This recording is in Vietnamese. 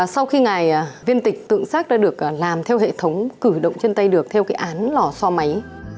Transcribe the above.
sau khi ngài viên tịch tượng xác đã được làm theo hệ thống cử động chân tay được theo cái án lò so máy